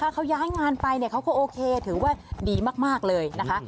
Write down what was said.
เขาย้ายงานไปเขาก็โอเคถือว่าดีมากเลยนะคะ